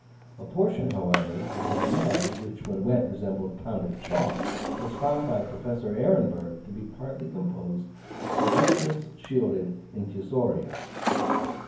A portion, however, of this mud, which when wet resembled pounded chalk, was found by Professor Ehrenberg to be partly composed of siliceous shielded infusoria.